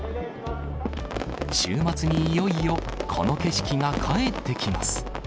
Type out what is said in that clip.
週末にいよいよこの景色が帰ってきます。